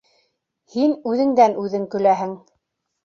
Һин үҙеңдән үҙең көләһең.